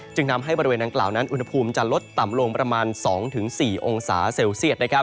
จึงทำให้บริเวณดังกล่าวนั้นอุณหภูมิจะลดต่ำลงประมาณ๒๔องศาเซลเซียต